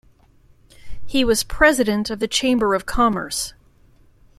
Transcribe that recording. He was president of the Chamber of Commerce.